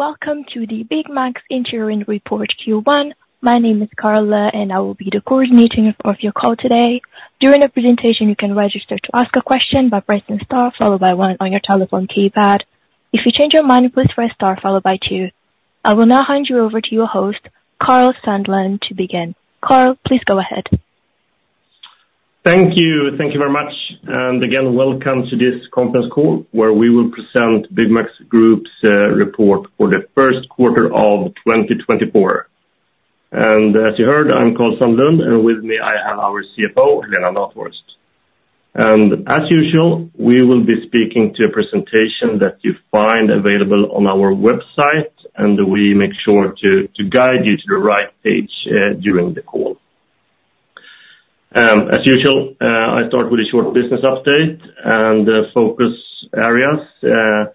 Welcome to the Byggmax Interim Report Q1. My name is Carla, and I will be the coordinating of your call today. During the presentation, you can register to ask a question by pressing star, followed by one on your telephone keypad. If you change your mind, please press star followed by two. I will now hand you over to your host, Karl Sandlund, to begin. Karl, please go ahead. Thank you. Thank you very much, and again, welcome to this conference call, where we will present Byggmax Group's report for the first quarter of 2024. As you heard, I'm Karl Sandlund, and with me, I have our CFO, Helena Nathhorst. As usual, we will be speaking to a presentation that you find available on our website, and we make sure to guide you to the right page during the call. As usual, I start with a short business update and focus areas, and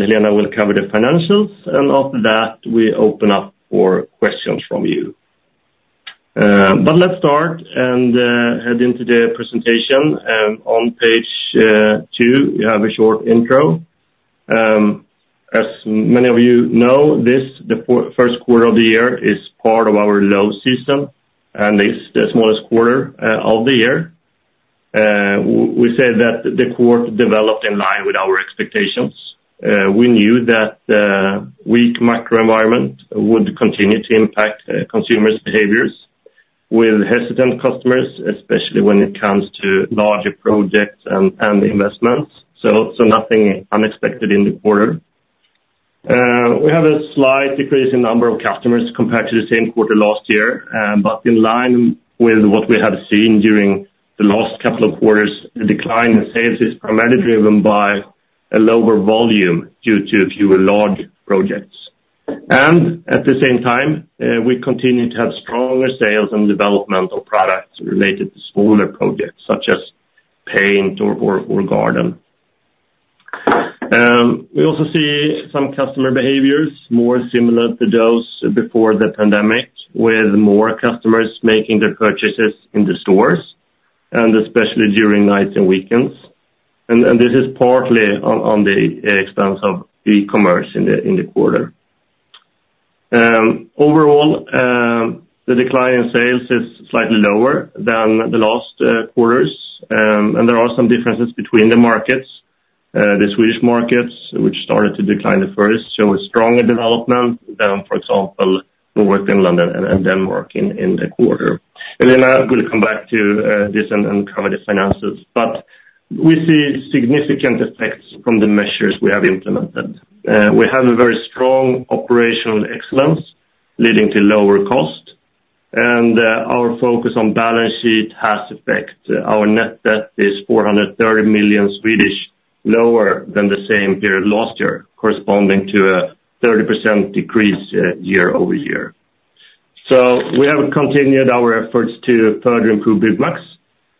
Helena will cover the financials, and after that, we open up for questions from you. But let's start and head into the presentation, on page two, we have a short intro. As many of you know, this, the first quarter of the year is part of our low season and is the smallest quarter of the year. We said that the quarter developed in line with our expectations. We knew that the weak macro environment would continue to impact consumers' behaviors with hesitant customers, especially when it comes to larger projects and investments, so nothing unexpected in the quarter. We have a slight decrease in number of customers compared to the same quarter last year, but in line with what we have seen during the last couple of quarters, the decline in sales is primarily driven by a lower volume due to fewer large projects. At the same time, we continue to have stronger sales and development of products related to smaller projects, such as paint or garden. We also see some customer behaviors more similar to those before the pandemic, with more customers making their purchases in the stores, and especially during nights and weekends. And this is partly on the expense of e-commerce in the quarter. Overall, the decline in sales is slightly lower than the last quarters, and there are some differences between the markets. The Swedish markets, which started to decline the first, show a stronger development than, for example, Northern Finland and Denmark in the quarter. Then I will come back to this and cover the finances, but we see significant effects from the measures we have implemented. We have a very strong operational excellence, leading to lower cost, and our focus on balance sheet has effect. Our net debt is 430 million, lower than the same period last year, corresponding to a 30% decrease year-over-year. We have continued our efforts to further improve Byggmax,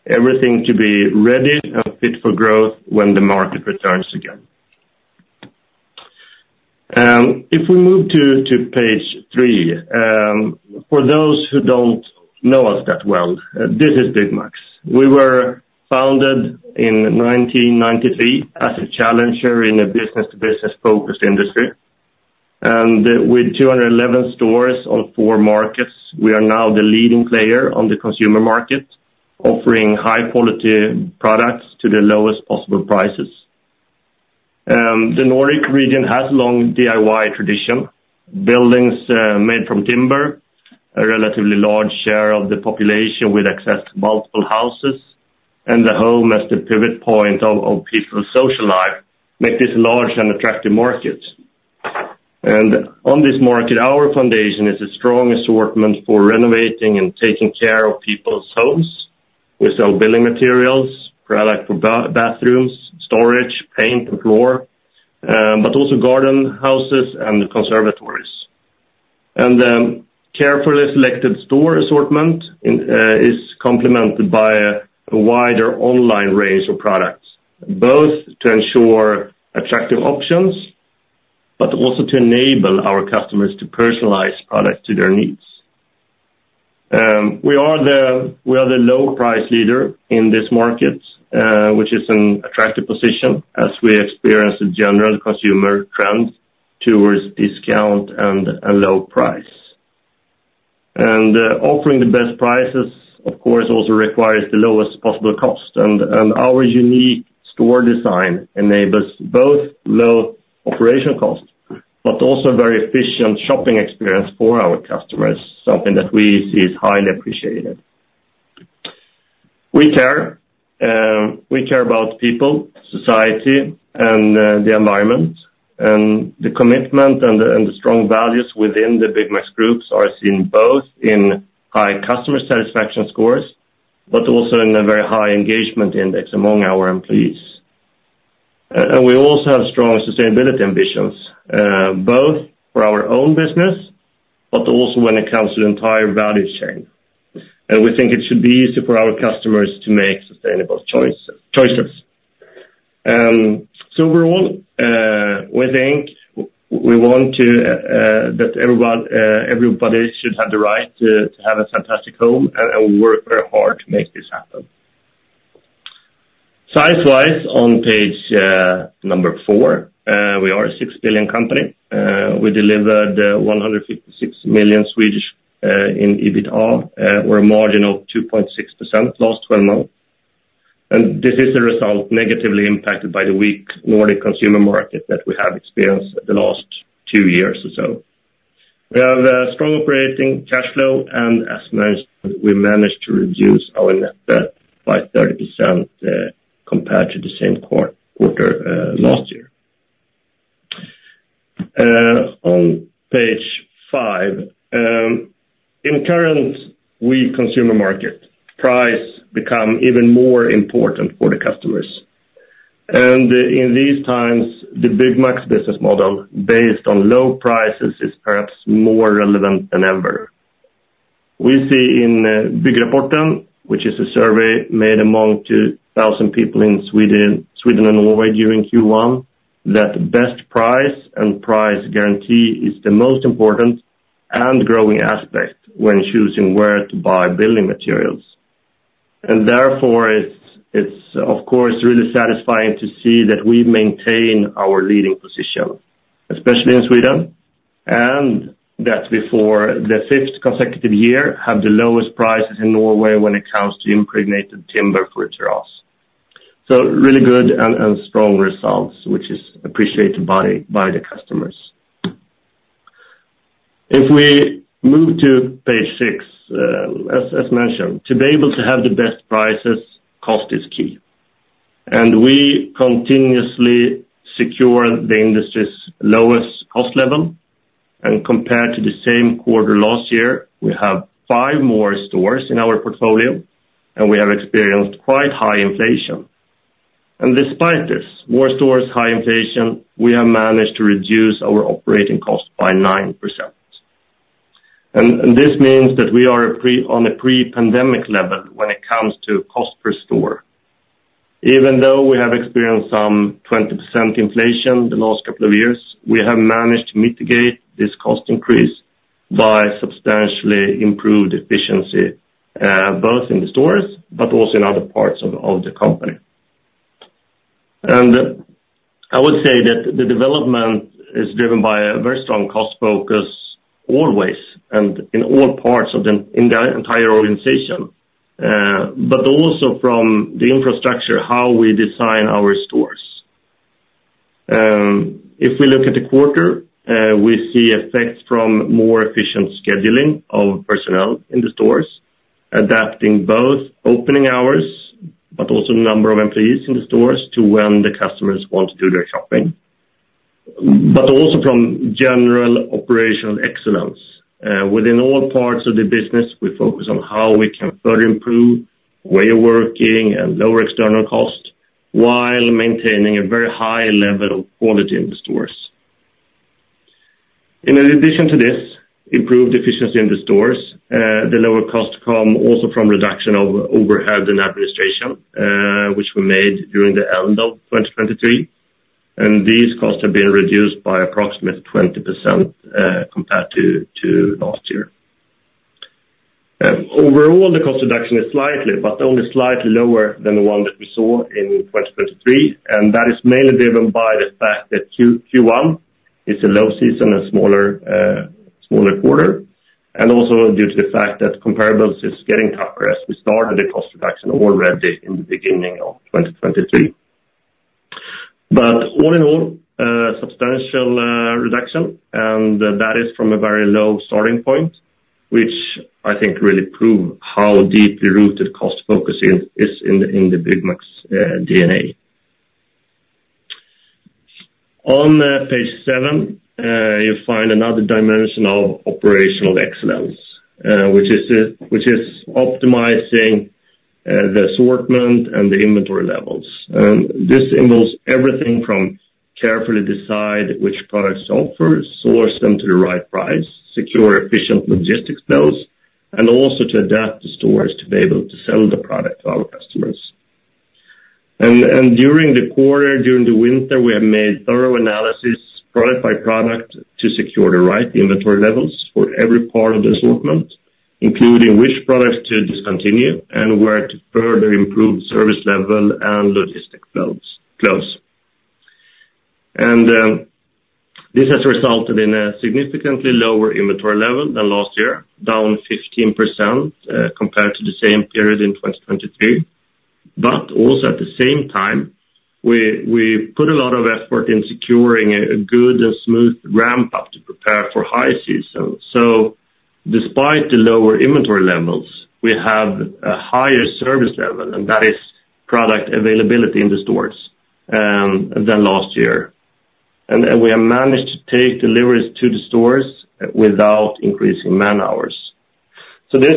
everything to be ready and fit for growth when the market returns again. If we move to page three, for those who don't know us that well, this is Byggmax. We were founded in 1993 as a challenger in a business-to-business-focused industry, and with 211 stores on four markets, we are now the leading player on the consumer market, offering high-quality products to the lowest possible prices. The Nordic region has a long DIY tradition. Buildings made from timber, a relatively large share of the population with access to multiple houses, and the home as the pivot point of people's social life, make this a large and attractive market. On this market, our foundation is a strong assortment for renovating and taking care of people's homes. We sell building materials, product for bathrooms, storage, paint and floor, but also garden houses and conservatories. Carefully selected store assortment is complemented by a wider online range of products, both to ensure attractive options, but also to enable our customers to personalize products to their needs. We are the low price leader in this market, which is an attractive position as we experience a general consumer trend towards discount and low price. Offering the best prices, of course, also requires the lowest possible cost, and our unique store design enables both low operational costs, but also very efficient shopping experience for our customers, something that we see is highly appreciated. We care, we care about people, society, and the environment, and the commitment and the strong values within the Byggmax Group are seen both in high customer satisfaction scores, but also in a very high engagement index among our employees. We also have strong sustainability ambitions, both for our own business, but also when it comes to the entire value chain. We think it should be easy for our customers to make sustainable choices, choices. So overall, we think we want that everyone everybody should have the right to have a fantastic home, and I will work very hard to make this happen. Size-wise, on page number four, we are a 6 billion company. We delivered 156 million in EBITA or a margin of 2.6% last twelve months. And this is the result negatively impacted by the weak Nordic consumer market that we have experienced the last two years or so. We have strong operating cash flow, and as mentioned, we managed to reduce our net debt by 30%, compared to the same quarter last year. On page five, in current weak consumer market, price become even more important for the customers. In these times, the Byggmax business model, based on low prices, is perhaps more relevant than ever. We see in Byggrapporten, which is a survey made among 2,000 people in Sweden and Norway during Q1, that best price and price guarantee is the most important and growing aspect when choosing where to buy building materials. And therefore, it's of course really satisfying to see that we maintain our leading position, especially in Sweden, and that for the fifth consecutive year we have the lowest prices in Norway when it comes to impregnated timber for terrace. So really good and strong results, which is appreciated by the customers. If we move to page six, as mentioned, to be able to have the best prices, cost is key. And we continuously secure the industry's lowest cost level. Compared to the same quarter last year, we have five more stores in our portfolio, and we have experienced quite high inflation. Despite this, more stores, high inflation, we have managed to reduce our operating cost by 9%. This means that we are on a pre-pandemic level when it comes to cost per store. Even though we have experienced some 20% inflation the last couple of years, we have managed to mitigate this cost increase by substantially improved efficiency, both in the stores, but also in other parts of the company. I would say that the development is driven by a very strong cost focus always and in all parts of the entire organization, but also from the infrastructure, how we design our stores. If we look at the quarter, we see effects from more efficient scheduling of personnel in the stores, adapting both opening hours, but also the number of employees in the stores to when the customers want to do their shopping, but also from general operational excellence. Within all parts of the business, we focus on how we can further improve way of working and lower external costs, while maintaining a very high level of quality in the stores. In addition to this, improved efficiency in the stores, the lower costs come also from reduction of overhead and administration, which were made during the end of 2023, and these costs have been reduced by approximately 20%, compared to last year. Overall, the cost reduction is slightly, but only slightly lower than the one that we saw in 2023, and that is mainly driven by the fact that Q1 is a low season and smaller quarter, and also due to the fact that comparables is getting tougher as we started the cost reduction already in the beginning of 2023. But all in all, substantial reduction, and that is from a very low starting point, which I think really prove how deeply rooted cost focus is in the Byggmax DNA. On page seven, you'll find another dimensional operational excellence, which is optimizing the assortment and the inventory levels. This involves everything from carefully decide which products to offer, source them to the right price, secure efficient logistics bills, and also to adapt the stores to be able to sell the product to our customers. During the quarter, during the winter, we have made thorough analysis, product by product, to secure the right inventory levels for every part of the assortment, including which products to discontinue and where to further improve service level and logistic levels close. This has resulted in a significantly lower inventory level than last year, down 15%, compared to the same period in 2023. But also at the same time, we put a lot of effort in securing a good and smooth ramp-up to prepare for high season. So despite the lower inventory levels, we have a higher service level, and that is product availability in the stores than last year. We have managed to take deliveries to the stores without increasing man-hours. So this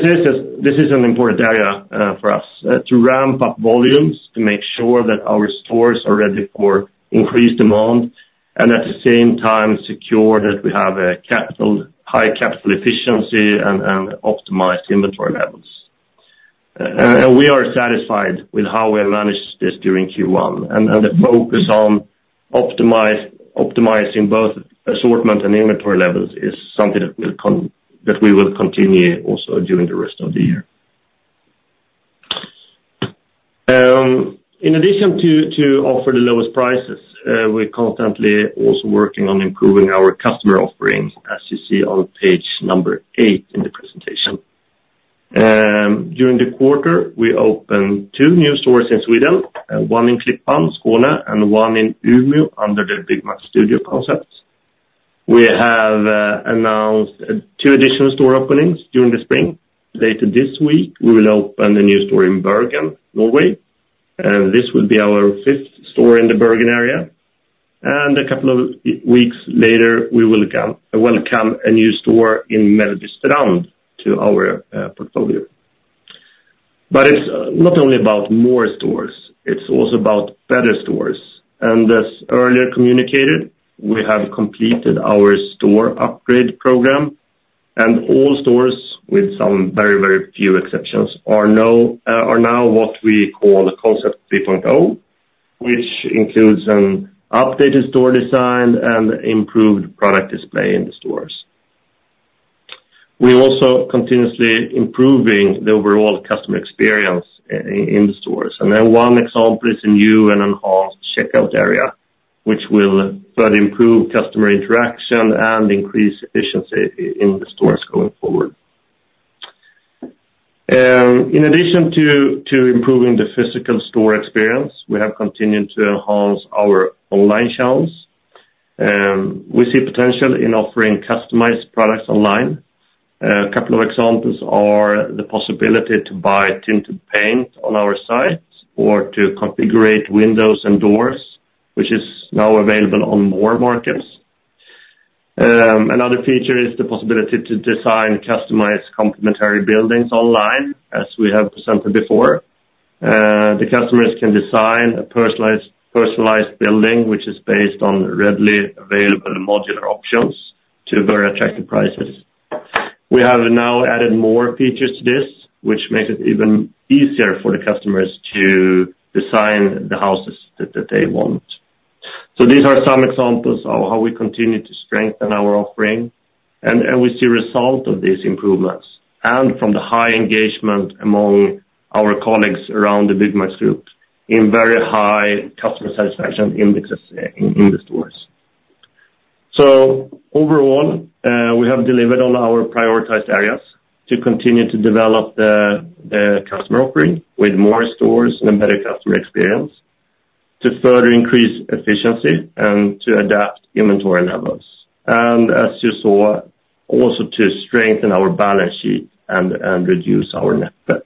is an important area for us to ramp up volumes, to make sure that our stores are ready for increased demand, and at the same time, secure that we have a capital-high capital efficiency and optimized inventory levels. We are satisfied with how we managed this during Q1, and the focus on optimizing both assortment and inventory levels is something that we will continue also during the rest of the year. In addition to offer the lowest prices, we're constantly also working on improving our customer offerings, as you see on page eight in the presentation. During the quarter, we opened two new stores in Sweden, one in Klippan, Skåne and one in Umeå under the Byggmax Studio concepts. We have announced two additional store openings during the spring. Later this week, we will open a new store in Bergen, Norway, and this will be our fifth store in the Bergen area. And a couple of weeks later, we will welcome a new store in Mariestad to our portfolio. But it's not only about more stores, it's also about better stores. As earlier communicated, we have completed our store upgrade program, and all stores, with some very, very few exceptions, are now what we call Concept 3.0, which includes an updated store design and improved product display in the stores. We're also continuously improving the overall customer experience in the stores, and then one example is a new and enhanced checkout area, which will further improve customer interaction and increase efficiency in the stores going forward. In addition to improving the physical store experience, we have continued to enhance our online channels, and we see potential in offering customized products online. A couple of examples are the possibility to buy tinted paint on our sites or to configure windows and doors, which is now available on more markets. Another feature is the possibility to design customized complimentary buildings online, as we have presented before. The customers can design a personalized, personalized building, which is based on readily available modular options to very attractive prices. We have now added more features to this, which makes it even easier for the customers to design the houses that, that they want. So these are some examples of how we continue to strengthen our offering, and, and we see result of these improvements and from the high engagement among our colleagues around the Byggmax Group in very high customer satisfaction indexes in, in the stores. So overall, we have delivered on our prioritized areas to continue to develop the, the customer offering with more stores and a better customer experience, to further increase efficiency and to adapt inventory levels, and as you saw, also to strengthen our balance sheet and, and reduce our net debt.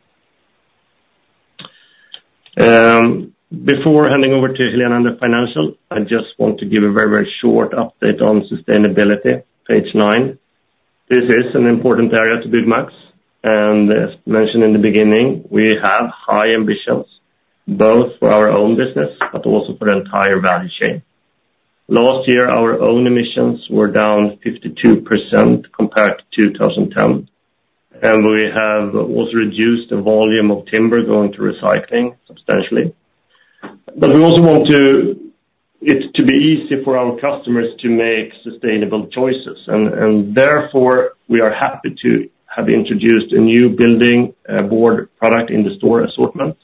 Before handing over to Helena on the financial, I just want to give a very, very short update on sustainability, page nine. This is an important area to Byggmax, and as mentioned in the beginning, we have high ambitions, both for our own business, but also for the entire value chain. Last year, our own emissions were down 52% compared to 2010, and we have also reduced the volume of timber going to recycling substantially. But we also want to it to be easy for our customers to make sustainable choices, and therefore, we are happy to have introduced a new building board product in the store assortment.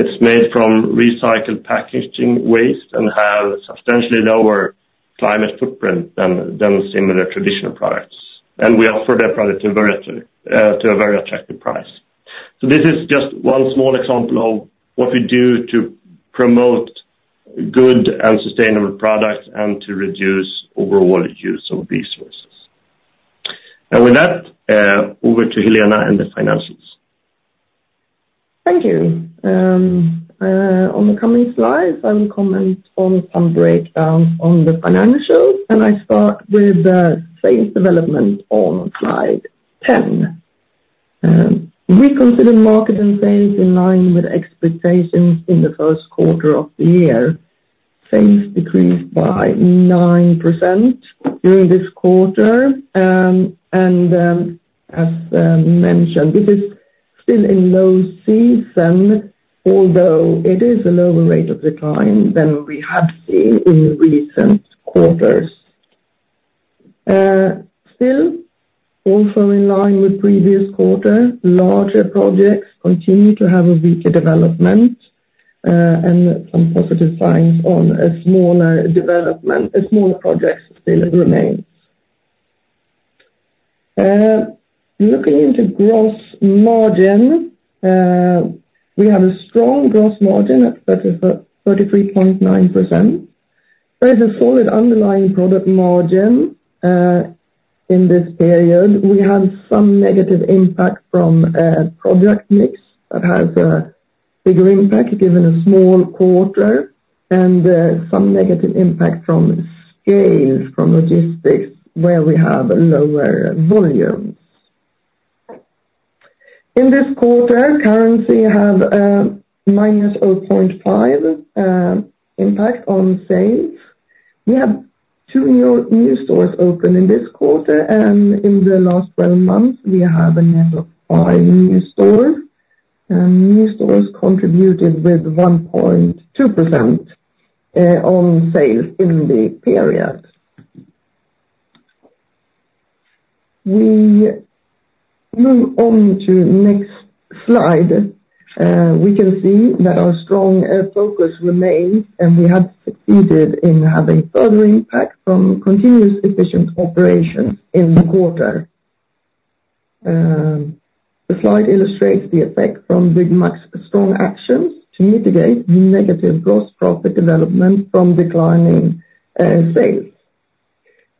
It's made from recycled packaging waste and has substantially lower climate footprint than similar traditional products, and we offer that product to a very attractive price. So this is just one small example of what we do to promote good and sustainable products and to reduce overall use of resources. And with that, over to Helena and the financials. Thank you. On the coming slides, I will comment on some breakdowns on the financials, and I start with the sales development on slide 10. We consider market and sales in line with expectations in the first quarter of the year. Sales decreased by 9% during this quarter, and, as mentioned, it is still a low season, although it is a lower rate of decline than we had seen in recent quarters. Still, also in line with previous quarter, larger projects continue to have a weaker development, and some positive signs on a smaller development, a smaller projects still remains. Looking into gross margin, we have a strong gross margin at 33.9%. There is a solid underlying product margin in this period. We have some negative impact from a project mix that has a bigger impact, given a small quarter, and some negative impact from scale, from logistics, where we have lower volumes. In this quarter, currency have -0.5 impact on sales. We have two new stores open in this quarter, and in the last 12 months, we have a network of five new stores. New stores contributed with 1.2% on sales in the period. We move on to next slide. We can see that our strong focus remains, and we have succeeded in having further impact from continuous efficient operations in the quarter. The slide illustrates the effect from Byggmax's strong actions to mitigate negative gross profit development from declining sales.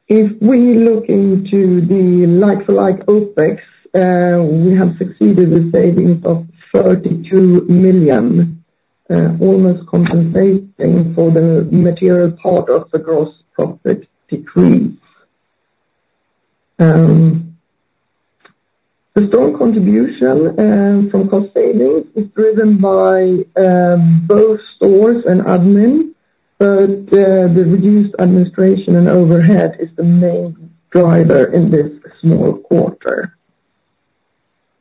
If we look into the like-for-like OpEx, we have succeeded with savings of 32 million, almost compensating for the material part of the gross profit decrease. The strong contribution from cost savings is driven by both stores and admin, but the reduced administration and overhead is the main driver in this small quarter.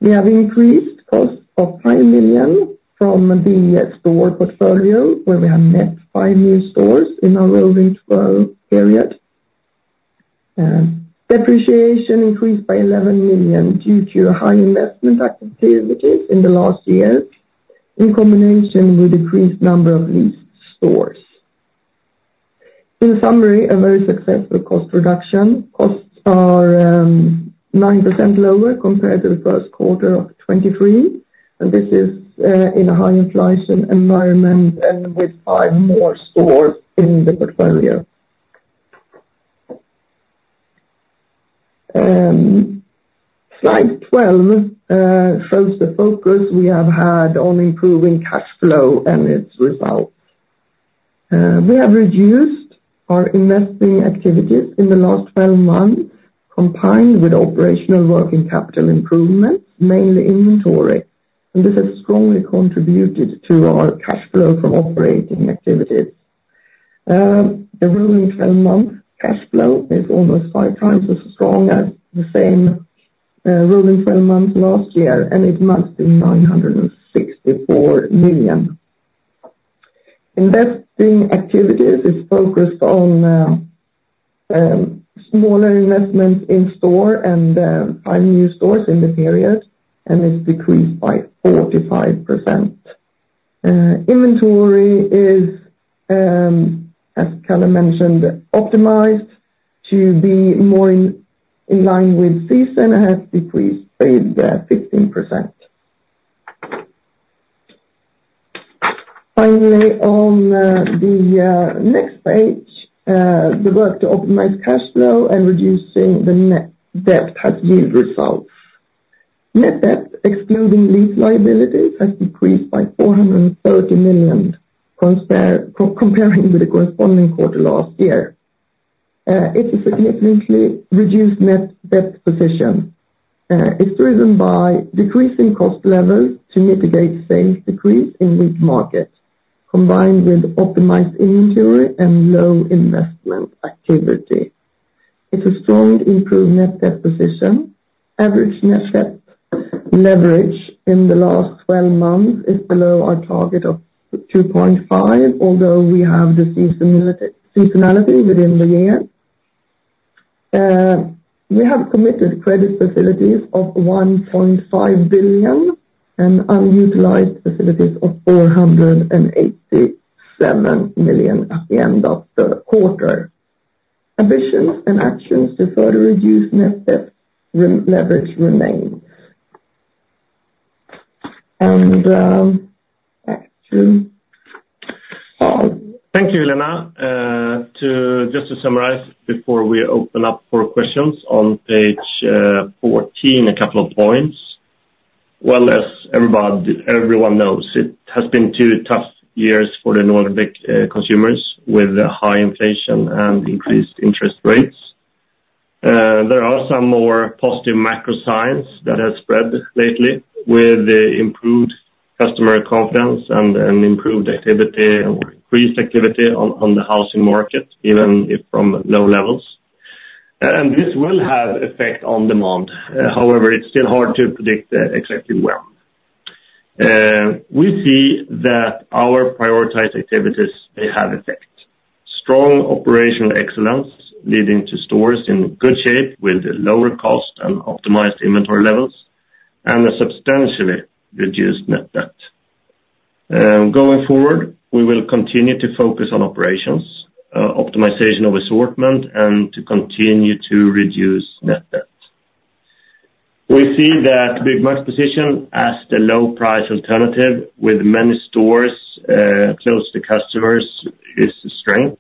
We have increased costs of 5 million from the store portfolio, where we have net five new stores in our rolling twelve period. Depreciation increased by 11 million due to high investment activities in the last year, in combination with increased number of leased stores. In summary, a very successful cost reduction. Costs are 9% lower compared to the first quarter of 2023, and this is in a high inflation environment, and with five more stores in the portfolio. Slide 12 shows the focus we have had on improving cash flow and its results. We have reduced our investing activities in the last 12 months, combined with operational working capital improvements, mainly inventory, and this has strongly contributed to our cash flow from operating activities. The rolling 12-month cash flow is almost five times as strong as the same rolling 12 months last year, and it must be 964 million. Investing activities is focused on smaller investments in store and five new stores in the period, and it's decreased by 45%. Inventory is, as Karl mentioned, optimized to be more in line with season, and has decreased by 15%. Finally, on the next page, the work to optimize cash flow and reducing the net debt has yield results. Net debt, excluding lease liabilities, has decreased by 430 million, comparing with the corresponding quarter last year. It's a significantly reduced net debt position. It's driven by decreasing cost levels to mitigate sales decrease in weak markets, combined with optimized inventory and low investment activity. It's a strong improved net debt position. Average net debt leverage in the last 12 months is below our target of 2.5, although we have the seasonality within the year. We have committed credit facilities of 1.5 billion and unutilized facilities of 487 million at the end of the quarter. Ambitions and actions to further reduce net debt leverage remains. Back to Karl. Thank you, Helena. Just to summarize, before we open up for questions, on page 14, a couple of points. Well, as everyone knows, it has been two tough years for the Nordic consumers, with high inflation and increased interest rates. There are some more positive macro signs that has spread lately, with improved customer confidence and improved activity, or increased activity on the housing market, even if from low levels. And this will have effect on demand. However, it's still hard to predict exactly well. We see that our prioritized activities, they have effect. Strong operational excellence, leading to stores in good shape with lower cost and optimized inventory levels, and a substantially reduced net debt. Going forward, we will continue to focus on operations, optimization of assortment, and to continue to reduce net debt. We see that Byggmax's position as the low price alternative with many stores close to customers is a strength.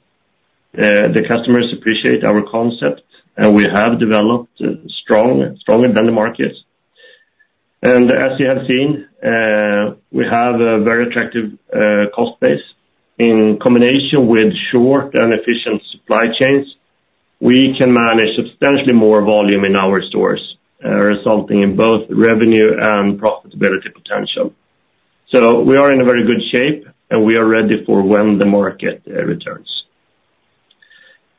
The customers appreciate our concept, and we have developed stronger than the market. As you have seen, we have a very attractive cost base. In combination with short and efficient supply chains, we can manage substantially more volume in our stores, resulting in both revenue and profitability potential. We are in a very good shape, and we are ready for when the market returns.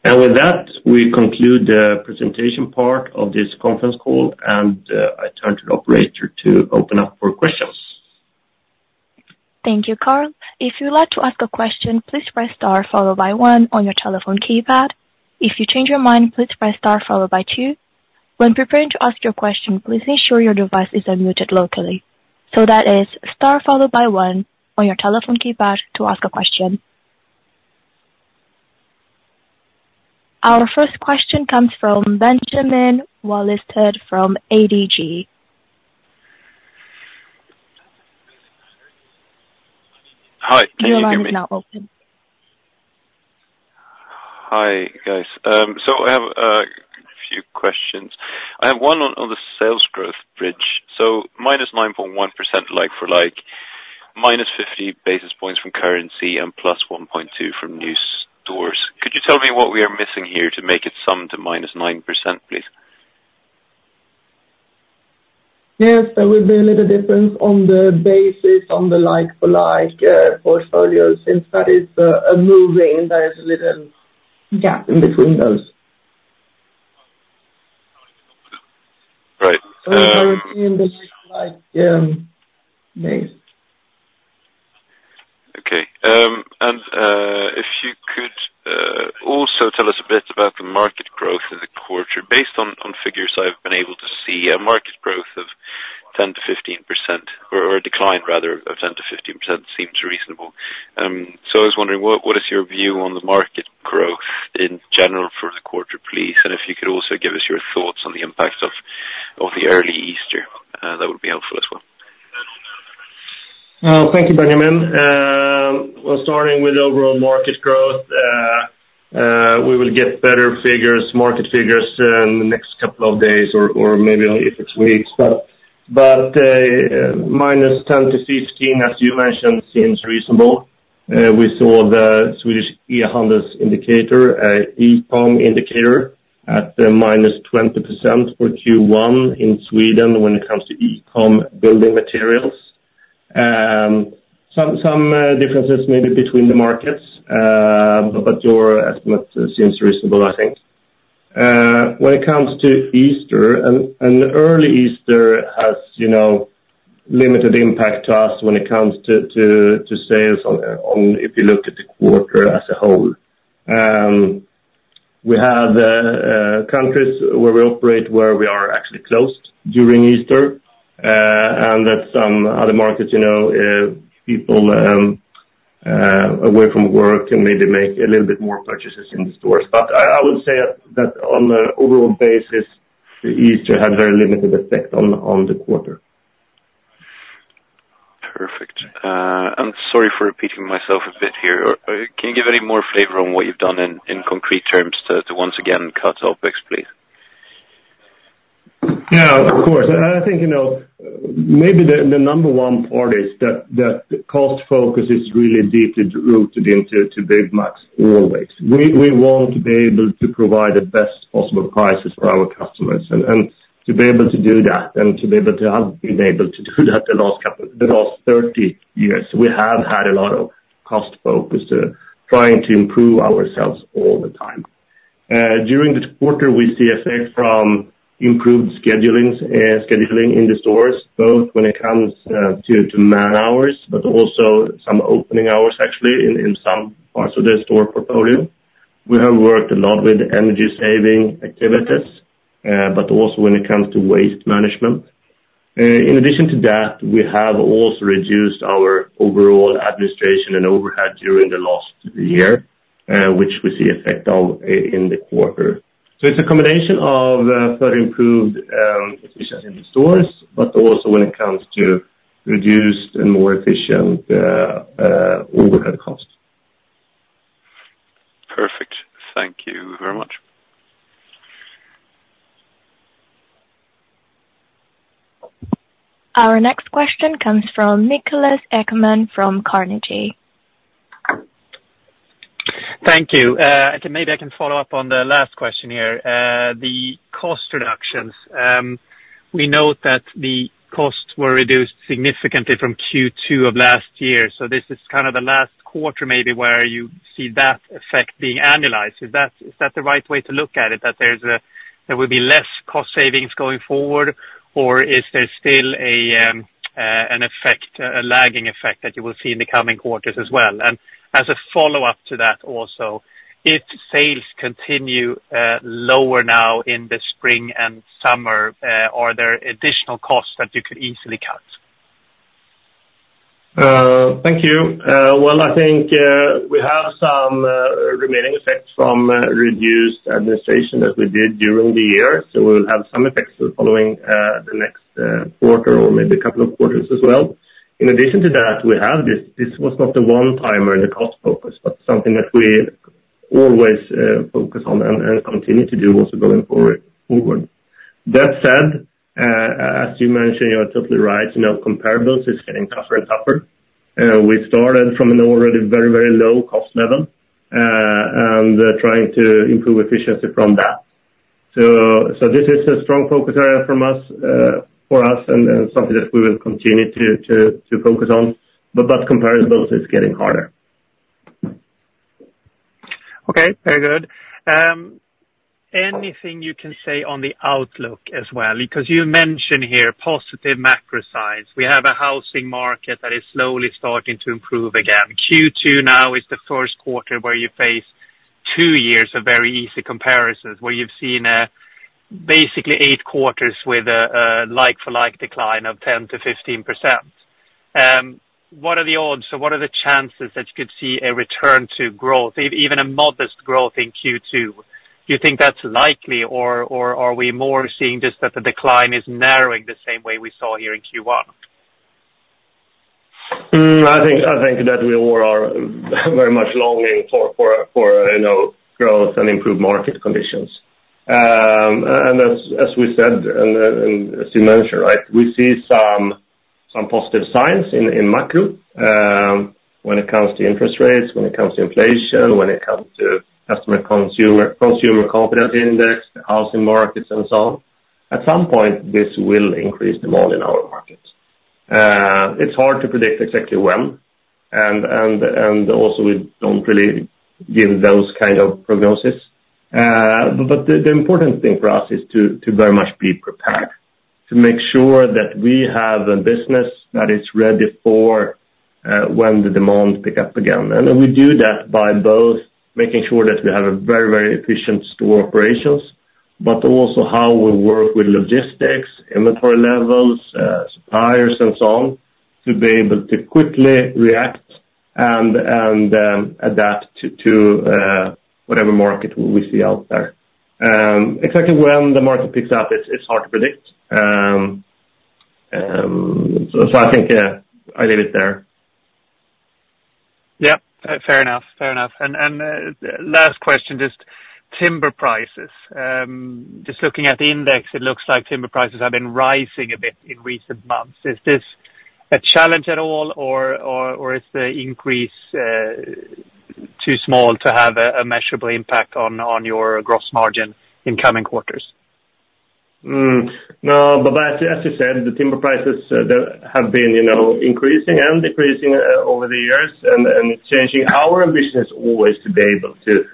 With that, we conclude the presentation part of this conference call, and I turn to the operator to open up for questions. Thank you, Carl. If you'd like to ask a question, please press star followed by one on your telephone keypad. If you change your mind, please press star followed by two. When preparing to ask your question, please ensure your device is unmuted locally. So that is star followed by one on your telephone keypad to ask a question. Our first question comes from Benjamin Wahlstedt from ABG. Hi, can you hear me? Your line is now open. Hi, guys. So I have a few questions. I have one on the sales growth bridge. So -9.1% like-for-like, -50 basis points from currency and +1.2 from new stores. Could you tell me what we are missing here to make it sum to -9%, please? Yes, there will be a little difference on the basis, on the like-for-like portfolios, since that is moving, there is a little- Yeah, in between those. Right, um- So I would see in the like, days. Okay, and if you could also tell us a bit about the market growth in the quarter. Based on figures I've been able to see, a market growth of 10%-15%, or a decline rather, of 10%-15% seems reasonable. I was wondering, what is your view on the market growth in general for the quarter, please? And if you could also give us your thoughts on the impact of the early Easter, that would be helpful as well. Thank you, Benjamin. Well, starting with the overall market growth, we will get better figures, market figures, in the next couple of days or maybe a few weeks. But -10 to 15, as you mentioned, seems reasonable. We saw the Swedish e-handels indicator, e-com indicator at the -20% for Q1 in Sweden when it comes to e-com building materials. Some differences maybe between the markets, but your estimate seems reasonable, I think. When it comes to Easter, and early Easter has, you know, limited impact to us when it comes to sales on, if you look at the quarter as a whole. We have countries where we operate, where we are actually closed during Easter, and that some other markets, you know, people away from work can maybe make a little bit more purchases in the stores. But I would say that on an overall basis, Easter had very limited effect on the quarter. Perfect. I'm sorry for repeating myself a bit here. Can you give any more flavor on what you've done in concrete terms to once again cut OpEx, please? Yeah, of course. I think, you know, maybe the number one part is that cost focus is really deeply rooted into Byggmax always. We want to be able to provide the best possible prices for our customers, and to be able to do that, and to be able to have been able to do that the last couple, the last 30 years, we have had a lot of cost focus to trying to improve ourselves all the time. During the quarter, we see effect from improved scheduling in the stores, both when it comes to man-hours, but also some opening hours, actually, in some parts of the store portfolio. We have worked a lot with energy saving activities, but also when it comes to waste management.In addition to that, we have also reduced our overall administration and overhead during the last year, which we see effect of in the quarter. So it's a combination of further improved efficiency in the stores, but also when it comes to reduced and more efficient overhead costs. Perfect. Thank you very much. Our next question comes from Niklas Ekman from Carnegie. Thank you. Maybe I can follow up on the last question here. The cost reductions, we note that the costs were reduced significantly from Q2 of last year, so this is kind of the last quarter, maybe, where you see that effect being annualized. Is that, is that the right way to look at it, that there's there will be less cost savings going forward, or is there still a, an effect, a lagging effect, that you will see in the coming quarters as well? And as a follow-up to that also, if sales continue, lower now in the spring and summer, are there additional costs that you could easily cut? Thank you. Well, I think we have some remaining effects from reduced administration that we did during the year, so we'll have some effects the following, the next, quarter or maybe a couple of quarters as well. In addition to that, we have this; this was not the one-timer in the cost focus, but something that we always focus on and continue to do also going forward, forward. That said, as you mentioned, you are totally right, you know, comparables is getting tougher and tougher. We started from an already very, very low cost level, and trying to improve efficiency from that. So, so this is a strong focus area from us, for us, and something that we will continue to, to, to focus on, but that comparison is getting harder. Okay, very good. Anything you can say on the outlook as well? Because you mention here positive macro signs. We have a housing market that is slowly starting to improve again. Q2 now is the first quarter where you face 2 years of very easy comparisons, where you've seen basically eight quarters with a like-for-like decline of 10%-15%. What are the odds, or what are the chances that you could see a return to growth, even a modest growth in Q2? Do you think that's likely, or are we more seeing just that the decline is narrowing the same way we saw here in Q1? I think that we all are very much longing for, for, you know, growth and improved market conditions. And as we said, and as you mentioned, right, we see some positive signs in macro. When it comes to interest rates, when it comes to inflation, when it comes to consumer confidence index, the housing markets, and so on. At some point, this will increase demand in our markets. It's hard to predict exactly when, and also we don't really give those kind of prognosis. But the important thing for us is to very much be prepared, to make sure that we have a business that is ready for when the demand picks up again. We do that by both making sure that we have a very, very efficient store operations, but also how we work with logistics, inventory levels, suppliers, and so on, to be able to quickly react and adapt to whatever market we see out there. Exactly when the market picks up, it's hard to predict. So I think I leave it there. Yeah, fair enough. Fair enough. And last question, just timber prices. Just looking at the index, it looks like timber prices have been rising a bit in recent months. Is this a challenge at all, or is the increase too small to have a measurable impact on your gross margin in coming quarters? No, but as you said, the timber prices, they have been, you know, increasing and decreasing over the years and changing. Our ambition is always to be able to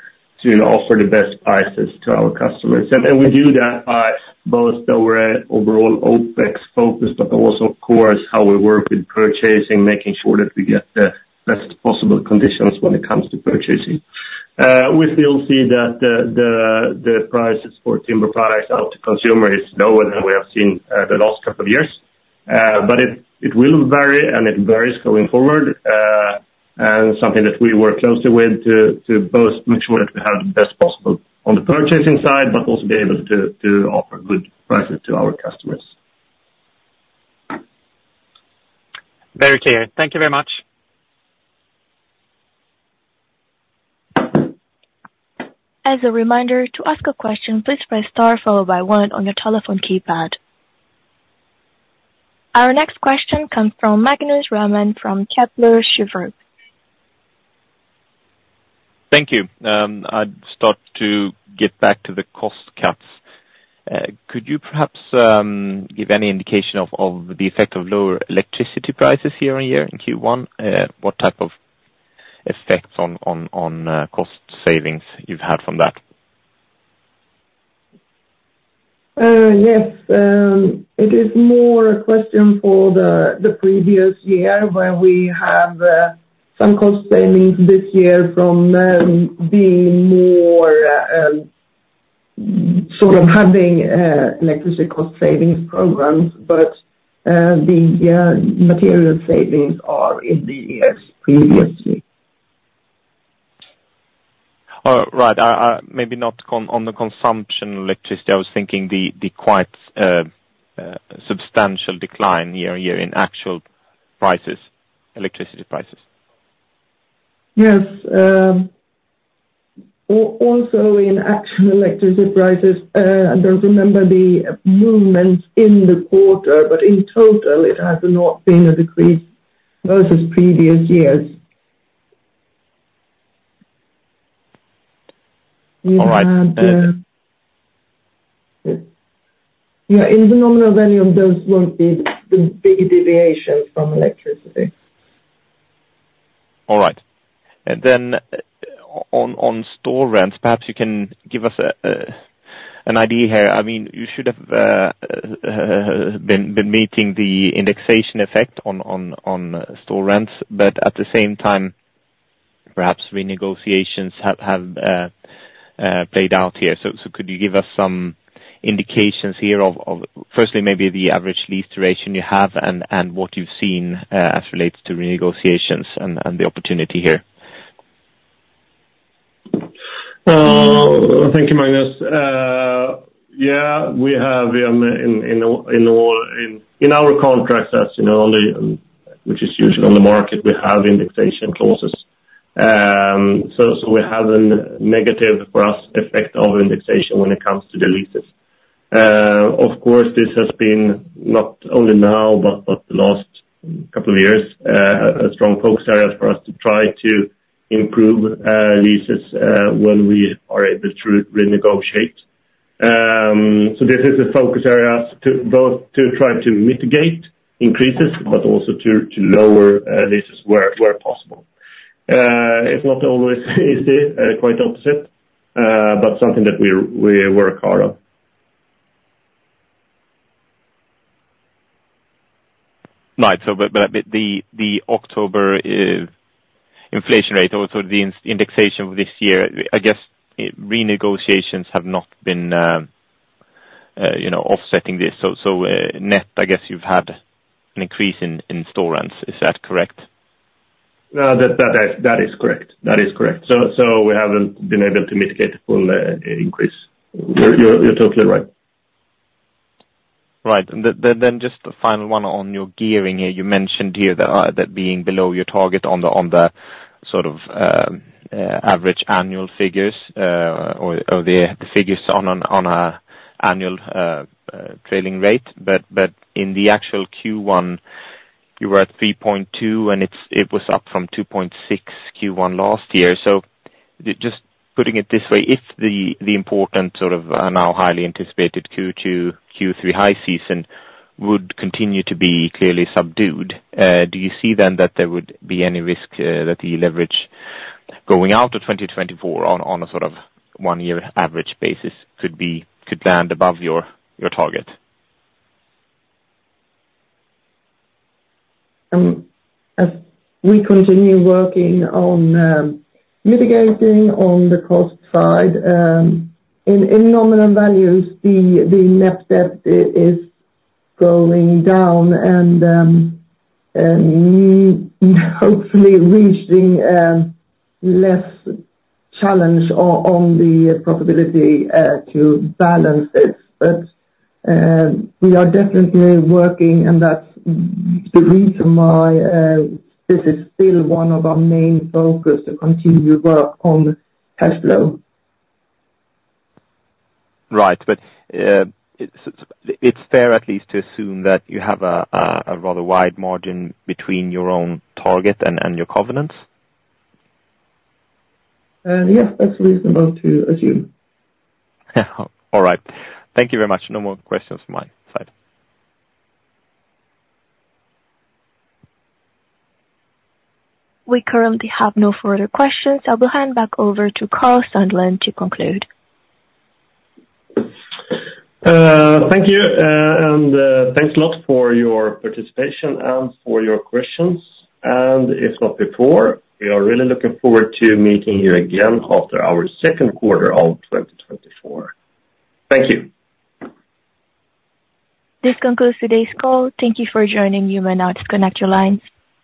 offer the best prices to our customers, and we do that by both our overall OpEx focus, but also, of course, how we work with purchasing, making sure that we get the best possible conditions when it comes to purchasing. We still see that the prices for timber products out to consumer is lower than we have seen the last couple of years. But it will vary, and it varies going forward, and something that we work closely with to both make sure that we have the best possible on the purchasing side, but also be able to offer good prices to our customers. Very clear. Thank you very much. As a reminder, to ask a question, please press star followed by one on your telephone keypad. Our next question comes from Magnus Råman from Kepler Cheuvreux. Thank you. I'd start to get back to the cost cuts. Could you perhaps give any indication of the effect of lower electricity prices year on year in Q1? What type of effects on cost savings you've had from that? Yes, it is more a question for the previous year, where we have some cost savings this year from being more sort of having electricity cost savings programs, but the material savings are in the years previously. Right. Maybe not on the consumption electricity. I was thinking the quite substantial decline year-on-year in actual prices, electricity prices. Yes, also in actual electricity prices, I don't remember the movements in the quarter, but in total, it has not been a decrease versus previous years. All right, Yeah, in the nominal value, those won't be the big deviations from electricity. All right. And then on store rents, perhaps you can give us an idea here. I mean, you should have been meeting the indexation effect on store rents, but at the same time, perhaps renegotiations have played out here. So could you give us some indications here of firstly, maybe the average lease duration you have, and what you've seen as it relates to renegotiations and the opportunity here? Thank you, Magnus. Yeah, we have in all our contracts, as you know, only, which is usually on the market, we have indexation clauses. So, we have a negative, for us, effect of indexation when it comes to the leases. Of course, this has been not only now, but the last couple of years, a strong focus area for us to try to improve leases when we are able to renegotiate. So this is a focus area to both try to mitigate increases, but also to lower leases where possible. It's not always easy, quite opposite, but something that we work hard on. Right. So, but the October inflation rate, also the indexation of this year, I guess, renegotiations have not been, you know, offsetting this. So, net, I guess you've had an increase in store rents. Is that correct? That is correct. That is correct. So we haven't been able to mitigate the full increase. You're totally right. Right. Then just the final one on your gearing here. You mentioned here that that being below your target on the, on the, sort of, average annual figures, or, or the figures on an annual, trailing rate. But in the actual Q1, you were at 3.2, and it was up from 2.6 Q1 last year. So just putting it this way, if the, the important, sort of, now highly anticipated Q2, Q3 high season would continue to be clearly subdued, do you see then that there would be any risk, that the leverage going out to 2024 on, on a, sort of, one-year average basis, could be- could land above your, your target? As we continue working on mitigating on the cost side, in nominal values, the net debt is going down, and hopefully reaching less challenge on the profitability to balance this. But we are definitely working, and that's the reason why this is still one of our main focus to continue to work on cash flow. Right. But, it's fair at least to assume that you have a rather wide margin between your own target and your covenants? Yes, that's reasonable to assume. All right. Thank you very much. No more questions from my side. We currently have no further questions. I will hand back over to Carl Sandlund to conclude. Thank you, and thanks a lot for your participation and for your questions. If not before, we are really looking forward to meeting you again after our second quarter of 2024. Thank you. This concludes today's call. Thank you for joining. You may now disconnect your lines.